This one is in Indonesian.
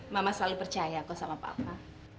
mama selalu percaya kok sama papa